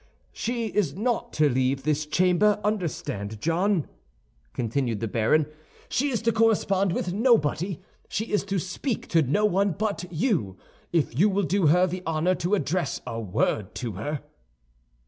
"She is not to leave this chamber, understand, John," continued the baron. "She is to correspond with nobody; she is to speak to no one but you—if you will do her the honor to address a word to her."